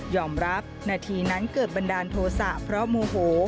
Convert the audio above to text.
นาทีนั้นเกิดบันดาลโทษะเพราะโมโห